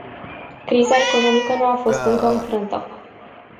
Criza economică nu a fost încă înfrântă.